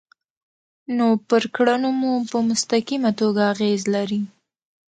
نو پر کړنو مو په مستقیمه توګه اغیز لري.